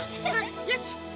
よし。